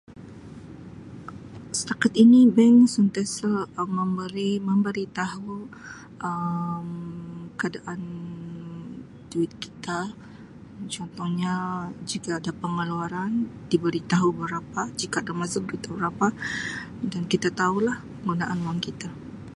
Setakat ini bank sentiasa Um memberi memberi tahu Um keadaan duit kita contohnya jika ada pengeluaran diberi tahu berapa jika ada masuk diberi tahu berapa dan kita tau lah penggunaan wang kita.